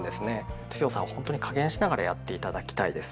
強さをほんとに加減しながらやって頂きたいです。